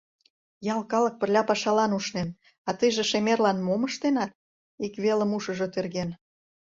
«Ял калык пырля пашалан ушнен, а тыйже шемерлан мом ыштенат?» — ик велым ушыжо терген.